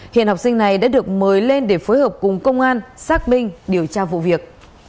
hiện học sinh này đã được mời lên để phối hợp cùng công an xác minh điều tra vụ việc